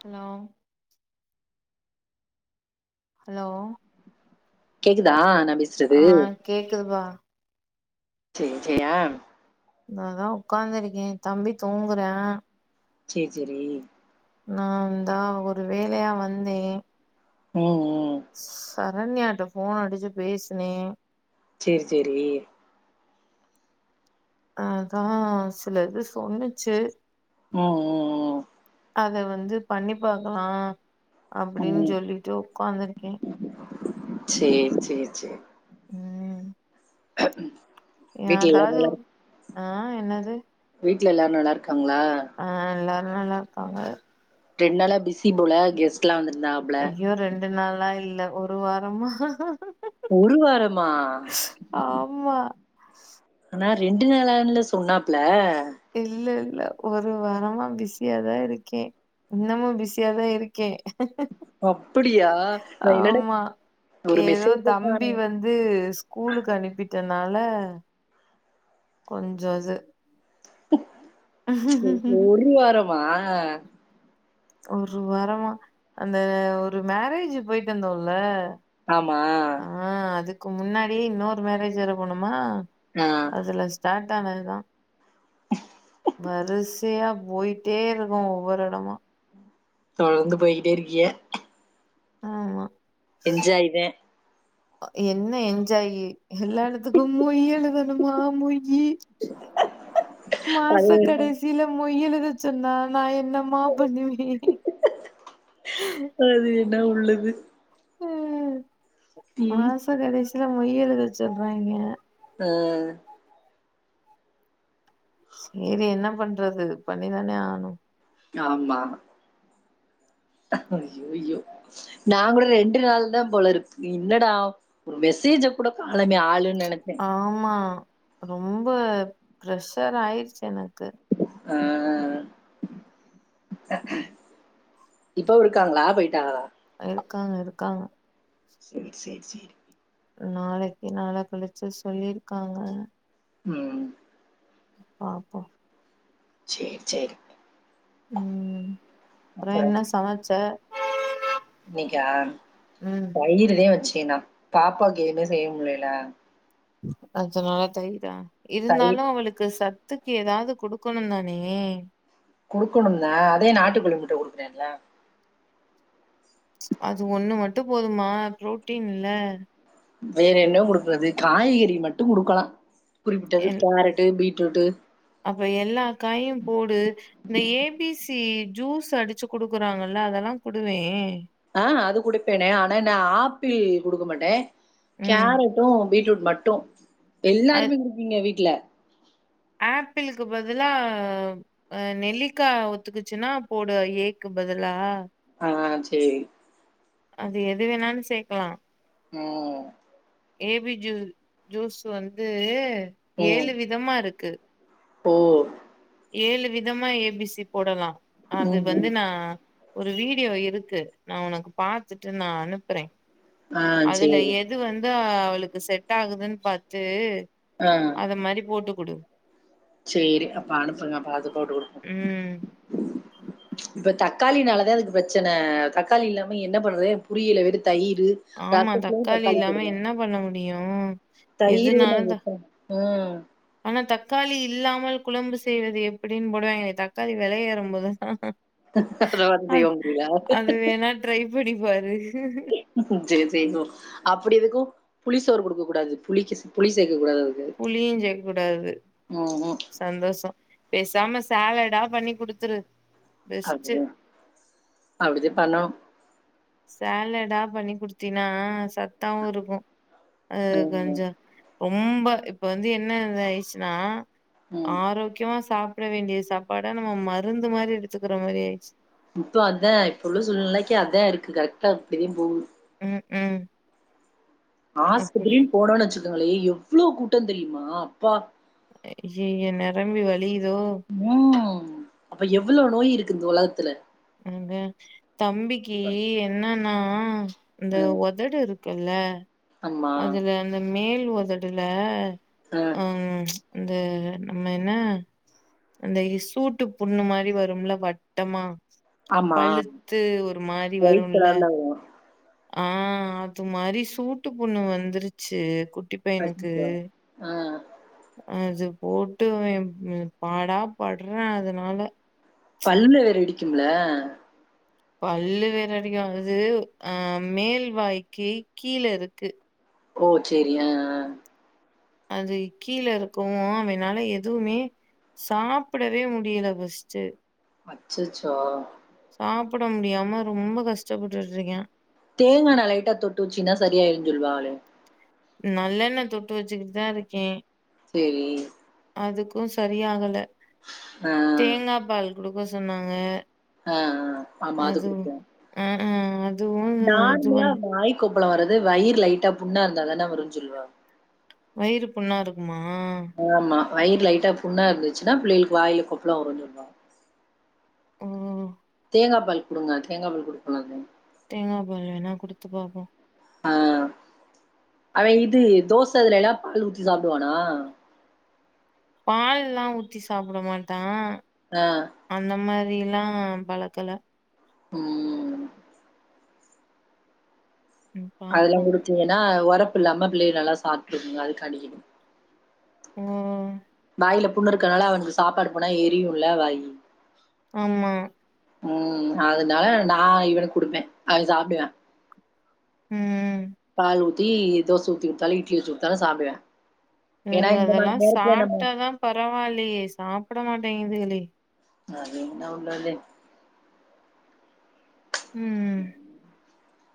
Hello hello கேக்குதா நம் ஆ கேக்குதுபா செரி செரி ஆ நா அதா உக்கார்ந்துருக்கே தம்பி தூங்குறா செரி செரி நான்தா ஒரு வேலையா வந்தே ம் ம் சா சரண்யாட்ட ஃபோன் அடிச்சு பேசுனே செரி செரி அதா சில இது சொல்லிச்சு ம் ம் ம் அத வந்து பண்ணி பாக்கலா ம் அப்டின்னு ம் சொல்லிட்டு உட்காந்துருக்கே சேரி சேர் சே ம் [unintelligible] வீட்ல எல்லா அதாவது நல்லாரு ஆ என்னது வீட்ல எல்லாரு நல்லாருக் காங்ளா? நல்லாருக்காங்க ரெண் நாளா பிசி போல கெஸ்ட்லா வந்துரு ஐயோ ரெண்டு நாளா இல் ல ஒரு வாரமா ஒரு வாரமா ஆமா [inaudible] நா ரெண்டு நாளான்ல சொன்னாப்ல இல்ல ஒரு வாரமா பிஸியாதா இருக்கே இன்னமு பிஸியாதா இருக்கே அப்படியா நா என்னடா ஆமா ஒரு ஏதோ மெசேஜ தம்பி காணோ வந்து ஸ்கூலுக்கு அனுப்பிட் டனால கொஞ்சொ இது [unintelligible] சே ஒரு வாரம் மா ஒரு வாரமா அந்த ஒரு மேரேஜு போயிட்டு வந்தோல்ல மா ஆ அதுக்கு முன்னாடி இன்னொரு மேரேஜ் வேற போனொமா ஆ அதுல‌ ஸ்டார்ட் டானதுதா வரிசையா போயிட்டேருக்கோ ஒவ்வொரு எடமா தொடர்ந்து போய்கிட்டே இருக்கீய ஆமா என்ஜாய்தே என்ன என்ஜாயி எல்லா எடத்துக்கும் மொய் எழுத னுமா மொய் யி மாச அது கடசில மொய் எழு துச்சுன்னா நா என் ன்னம்மா பண்ணுவே ட உள்ளது ம் ம் மாச கடசி த்தல மொய்யெலுத சொல்றாங்க அ சேரி என்ன பண்றது பண்ணிதான ஆனு ஆம்மா ஐயோ ஐயோ நா கூட ரெண்டு நாள் தா போல இருக்கு இன்னடா ஒரு மெசேஜ் கூட கானமே ஆளு ஆமா ரொம்ப பிஷர் ஆயிரிச்சி எனக்கு ஆ இப்பவு இருக்காங்களா போயிட்டாங்கலா இருக்காங்க இருக்காங்க சேரி சேரி சேரி நாளைக்கி நாள கழிச்சி சொல்லிருக்காங்க ம் பாப்போ சேரி சேரி ம் அப்புறோ என்ன சமச்ச இன்னிக்கா ம் தயிருனே வச்சி சே நா பாப்பாவுக்கு எமே செய்ய முடியல அஞ்சு நாளா தயிரா இருந்தாலு தயிர் அவளுக்கு சத் த்துக்கு ஏதாது குடுக்கணு தானே குடுக்கணுதா அதே நாட்டுக்கோழி முட்ட குடுரேல்ல அது ஒண்ணு மட்டு போதுமா புரோட்டீன் இல்ல வேற என்ன குடுக்குறது காய்கறி மட்டு குடுக்கலா குறிப்பிட்டது கேரட் பீட் டுட்டு இப்ப எல்லா காயு போடு இந்த ஏபிசி ஜூஸ் அடிச்சி குடுக்குறாங்கல்ல அதெல்லா குடுவே ஆ அது குடுப்பேனே ஆனா ந ஆப்பிள் குடுக்கமாட்டே ம் கேரட்டு பீட்ரூட் மட்டு அ எல்லாருமே குடுப்பீங்க வீட்ல ஆப்பிளுக்கு பதிலா ஆ நெல்லிக்கா ஒத்துக்குச்சுன்னா போடு ஏக்கு பதிலா ஆ சேரி அது எது வேணான்னு சேக்கலா ம் ஏ பி ஜூ ஜூஸ் வந்து ஏழு விதமா இருக்கு ம் ஏழு விதமா ஏ பி சி போடலாம் அது ம், வந்து ம். நான் ஒரு வீடியோ இருக்கு நான் உனக்கு பாத்துட்டு நான் அனுப்புறேன் ஆ சரி. அதுல எது வந்தா ஆ அவளுக்கு செட் ஆகுதுன்னு பாத்து அத மாரி போட்டு குடு சேரி அப்ப அனுப்புங்க பாத்து போட்டுவோம் ம் இப்ப தக்காளினாலதான் இதுக்கு பிரச்சனை தக்காளி இல்லாம என்ன பண்றது புரியல வெறுத் தயிர் ஆமா ரசத்துலையும் தக்காளி இல்லாம போடுவேன் என்ன பண்ண முடியு தயிர் எதுனாலு நான் த வெப்பன் ம் ஆனா தக்காளி இல்லாமல் குழம்பு செய்வது எப்படின்னு போடுவாங்களே தக்காளி வெளையேறும் போதுதான் அத பாத்து செய்ய போரியா யாரு உஹ உஹ செரி செரி போ அப்படி எதுக்கும் புளி சோறு குடுக்க கூடாது புளி புளி சேக் புளியும் சேர்க்க கூடாது ம்ஹ்ம். சந்தோஷம் பேசாம சேலடா பண்ணி குடுத்துரு பெஸ்ட்டு அதுதான் அப்படி தான் பண்ணணும் சேலடா பண்ணி குடுத்தீனா சத்தாவும் இருக்கும் அது ம். கொஞ்சம் ரொம்ப இப்ப வந்து என்ன இது ஆயிடுச்சுன்னா ம். ஆரோக்கியமா சாப் ட வேண்டிய சாப்பாடா நம்ம மருந்து மாதிரி எடுத்துக்கிற மாரி ஆயிடுச்சு இப்போ அதான் இப்ப உள்ள சூழ்நிலைக்கு அதான் இருக்கு கரெக்ட்டா பெரியும் போவும் உம் உம் ஆஸ்பத்திரின்னு போடோனு வச்சுக் னாலே எவ்ளோ கூட்டம் தெரியுமா பா அய்யய்ய நெரம்பி வளியுது உம் அப்ப எவ்வள நோய் இருக்கு இந்த உலகத்ல அந்த தம்பிக்கு என்னன் ஆ ஆ ஆ இந்த ம். ஒதடு இருக்கு என்ன ஆமா. அதுல அந்த மேல் ஒதடுல அ உம் இந்த நம்ம என்ன அந்த சூட்டு புண்ணு மாரி வரும்ல வட்டமா ஆமா. பழுத்து ஒரு மாரி ஒயிட் வரும்ல கலர்ல ஆ அது மாரி சூட்டு புண்ணு வந்துருச்சு குட்டி பையனுக்கு அச்சச்சோ! ஆ. அது போட்டு பாடா பட்றே அதனால பல்லுல வேற இடிக்கும்ல பல்லு வேர இடியாவது அ மேல்வாய்க்கு கீழ இருக்கு ஓ சேரி ஆ ஆ அது கீழ இருக்கவு அவனால எதுவுமே சாப்பிடவே முடியல ஃபஸ்ட்டு அச்சச்சோ சாப்ட முடியாம ரொம்ப கஷ்டப்பட்டுட்டு இருக்கியா தேங்காண்ண லைட்டா தொட்டு வச்சினா சரியாயிருன்னு சொல்வாங்ளே நல்லெண்ண தொட்டு வச்சுக்கிட்டுதா இருக்கே சேரி அதுக்கு சரியாகல தேங்காபால் குடுக்க சொன்னாங்க ஆ ஆமா அது அதுவு குடுத்தே ஆ ஆ அதுவு இது நார்மலா பண் வாய்க்கு அப்பலா வரது வயிர் லைட்டா புண்ணா இருந்தாதானா வருனு சொல்லுவாங்க வயிறு புண்ணா இருக்குமா ஆமா வயிர் லைட்டா புண்ணா இருந்துச்சுன்னா பிள்ளைகளுக்கு வாயில கொப்பல வருஞ் சொல்லுவாங்க ஓ தேங்காபால் குடுங்க தேங்காபால் குடுக்கணது தேங்காபால் வேணா குடுத்து பாபோ ஆ அவே இது தோச இதுல எல்லா பால் ஊத்தி சாப்புடுவானா பால்ல்லா ஊத்தி சாப்பிட மாட்டா ஆ. அந்த மாரி ரியல்லா பழக்க இல்ல ம் ம் அதெல்லா பாப்போ குடுச்சிங்கன்னா உரப் ப் இல்லாம பிள்ளைக நல்லா சாப்பிட்டுருக்குங்க அது காண்டி கேக்குறே ம் வாயில புண்ணு இருக்கனால அவனுக்கு சாப்பாடு போனா எரியுல்ல வாயி ஆமா ம் அதனால நா இவனுக்கு குடுப்பே அவன் சாப்புடுவியா ம் பால் ஊத்தி தோச ஊத்தி குத்தாலு இட்லி ஊத்தி குத்தாலு சாப்பிடுவேயா ம் அதெல்லா சாப்ட்டாதா பரவாயில்லையே சாப் ப்பட மாட்டேங்கதுகளே அது இன்ன உன்டலே ம் ம்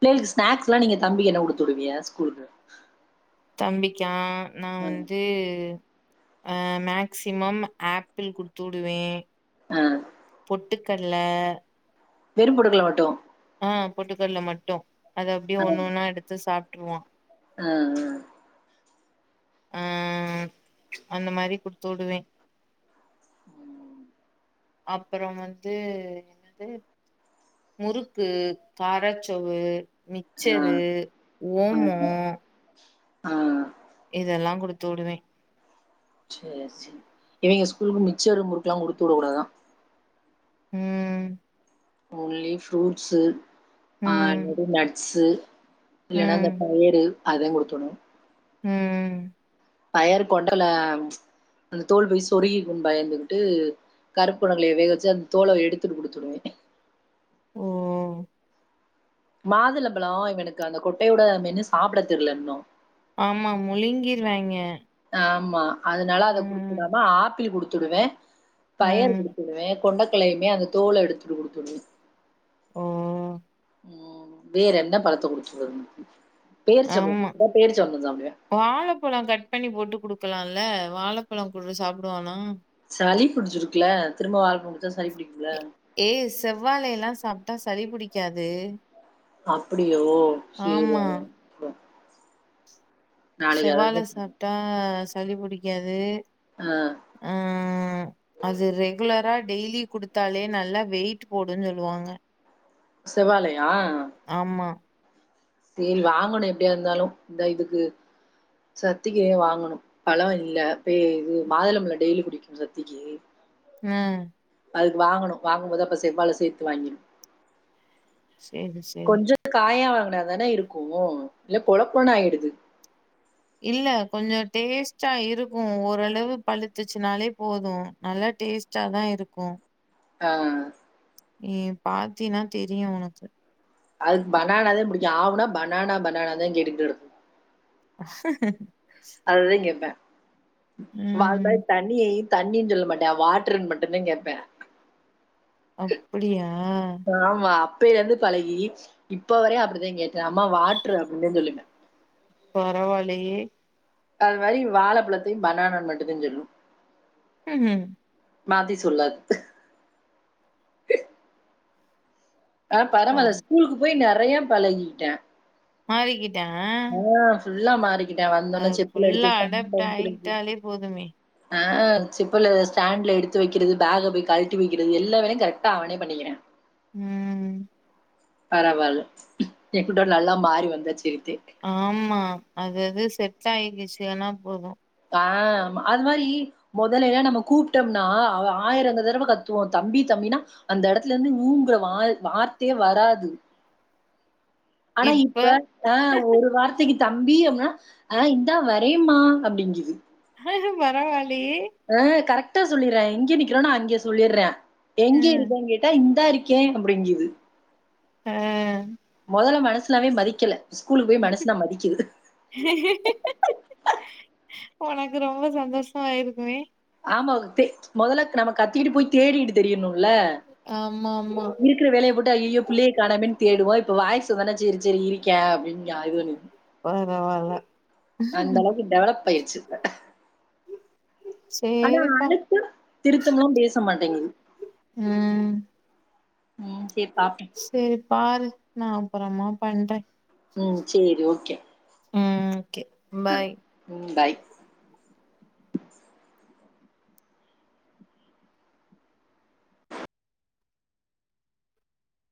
பிள்ளைளுக்கு ஸ்நாக்ஸ்ல்லா நீங்க தம்பிக்கு என்ன குடுத்துவுடுவிய ஸ்கூலுக்கு தம்பிக்கா நா ம் வந்து அ மேக்சிமம் ஆப்பிள் குடுத்துவுடுவே ஆ பொட் ட்டுக்கல்ல வெறுபுடுக்கல மட்டு ஆ பொட்டுக்கடல மட்டு அது அப்பிடியே ஒன்னு ஒன்னா எடுத்து சாப் டுவா ஆ ஆ ஆ அந்த மாரி குடுத்துவுடுவே அப்புறோ வந்து என்னது முறுக்கு காரச்சவ்வு ஆ மிச்சரு ஆ ஓமோ ஆ ஆ இதெல்லா குடுத்துவுடுவே சேரி சேரி இவங்க ஸ்கூலுக்கு மிச்சரும் முறுக்கல்லா குடுத்துவுடக்க கூடாதா ம் ஒன்லி ஃப்ரூட்ஸ்சு ம் ஆல்ரெடி நட்ஸு இல்லேன்னா அந்த ம் பயரு அதாங் குடுக்கனு உம் பயர் கொண்டல அந்த தோல் போய் சொருகிக்குன்னு பயந்துகிட்டு கருப்புணங்களய வேகவெச்சு அந்த தோல எடுத்துட்டு குடுத்துருவே உம் மாதுளம்பழோ இவனுக்கு அந்த கொட்டையோட மென்னு சாப்ட தெரியல இன்னு ஆமா முழுங்கிருவாங்க ஆமா அதனால அத குடுத்துடாம ஆப்பிள் குடுத்து த்துடுவே பயர் ம் குடுத்துடுவே கொண்டக்கலையுமே அந்த தோல எடுத்துட்டு குடுத்துடுவே உம் உம் வேற என்ன பழத்த குடுத்து விடனு ஆமா வாழப்பழோ கட் பண்ணி போட்டு குடுக்கலால்ல வாழப்பழ குடு சாப்டுவானா சளி புடிச்சிருக்ல திரும்ப வாழ ஏ செவ்வாழைல்லா சாப்ட்டா சளி பிடிக்காது அப்டியோ சேரி செவ்வாழ சாப்ட்டா சளி பிடிக்காது ஆ. ஆ அது ரெகுலரா டெய்லி குடுத்தாலே நல்லா வெயிட் போடுன்னு சொல்லுவாங்க செவ்வாழையா ஆமா சேரி வாங்கணு எப்டியா இருந்தாலு இந்தா இதுக்கு சத்திக்கு வாங்கணு பழோ இல்ல இது மாதுளம்ல டெய்லி குடுக்கணு சத்திக்கு ம் அதுக்கு வாங்கணு வாங்கும்போது அப்ப செவ்வாழ சேத்து வாங்கிடு சேரி சேரி கொஞ்சோ காயா தான இருக்கு இல்ல கொல கொலன்னு ஆயிடுது இல்ல கொஞ்சோ டேஸ்டா இருக்கு ஓரளவு பழுத்துச்சுனாலே போது நல்ல டேஸ்டாதா இருக்கு ஆ நீ பாத்தியினா தெரியு உனக்கு அதுக்கு பனானாதா புடிக்கு ஆ ஊனா பனானா பனானான்தா கேட்டுட்டு கெடக்கு [unintelligible] அதுதா கேப்பா ம் [unintelligible] தண்ணி தண்ணின்னு சொல்ல மாட்டா வாட்ருன்னு மட்டுந்தா கேப்பா அப்பிடியா அப்பேல இருந்து பழகி இப்ப வரையு அப்பிடிதா கேக்கறா அம்மா வாட்ரு அப்பிடினுதா சொல்லுவா பரவால்லையே அது மாரி வாழப்பழத்தையு பனானான்னு மட்டுந்தா சொல்லு ம்ஹும் மாத்தி சொல்லாது ஆ பர பரவால்ல ஸ்கூலுக்கு போய் நெற றையா பழகியிட்டா மாறிக்கிட் டா ஃபுல்லா மாறி அது ஃபுல்லா அடாப்ட் ஆகிட்டாலே போதுமே ஆ செப்பல ஸ்டாண்ட்ல எடுத்து வைக்கிறது பேக போய் கழட்டி வைக்கிறது எல்லா வேலையு கரெக்டா அவனே பண்ணிக்கிறா ம் பரவால்ல எப்பிடோ நல்லா மாறி வந்தா செரி ஆமா அது அது செட் டாகிக்கிச்சுனா போது ஆ ஆமா அது மாரி மொதல்ல எல்லா நம்ம கூப்ட்டோம்னா அவ ஆயிரந்த தடவ கத்துவோ தம்பி தம்பினா அந்த எடத்துல இருந்து ஊங்கற வா வார்த்தையே வராது ஆனா இப்ப ஆ ஒரு வார்த்தைக்கி தம்பி அப்டினா ஆ இந்தா வரேம்மா அப்டிங்குது பரவால் ஆ கரெக் டா சொல்லிர்றா எங்க நிக்கிறானோ அங்க சொல்லிர்றா அ எங்க இருக்கேன்னு கேட்டா இந்தா இரு க்கே அப்பிடிங்குது ஆ மொதல்ல மனு சனாவே மதிக்கல ஸ்கூலுக்கு போய் மனுசனா மதிக்குது உனக்கு ரொம்ப சந்தோஷமா ஆயிருக்குமே ஆமா தெ மொதல்ல நாம கத்திக்கிட்டு போய் தேடிகிட்டு திரியணு ல்ல ஆமா ஆமா இருக்குற வேலைய போட்டு ஐயயோ புள்ளைய காணோமேன்னு தேடுவோ இப்ப வாய்ஸ் வந்த உடனே சேரி சேரி இரு க்கா அப்டின்னு யா இது பண்ணு பரவால்ல அந்த அளவுக்கு டெவலப் ஆயிருச்சு இப்ப ஆனா சேரிப்பா அழுத்த திருத்தமாலா பேச மாட்டேங்குது ம் ம். சரி பாப்போம். சேரி பாரு நா அப்பறமா பண்றே ம் சேரி ஓகே ம் ஓகே அ. பாய் ம் பாய்